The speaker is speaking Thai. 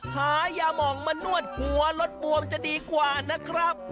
หายาหมองมานวดหัวรถบวมจะดีกว่านะครับ